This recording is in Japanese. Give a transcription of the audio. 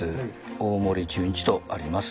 「大森潤一」とあります。